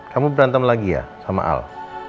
kamu berantem lagi ya sama al